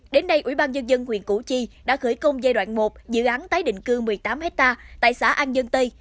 đến nay ubnd huyện củ chi đã khởi công giai đoạn một dự án tái định cư một mươi tám hectare tại xã an dân tây